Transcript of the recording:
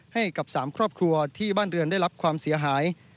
ให้กับ๓ครอบครัวที่บ้านเรือนได้รับความเสียหาย